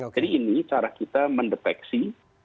jadi ini cara kita mendeteksi